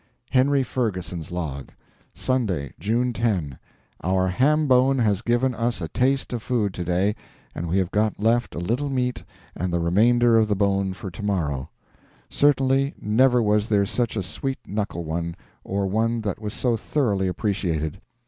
HENRY FERGUSON'S LOG: Sunday, June 10. Our ham bone has given us a taste of food to day, and we have got left a little meat and the remainder of the bone for tomorrow. Certainly, never was there such a sweet knuckle one, or one that was so thoroughly appreciated....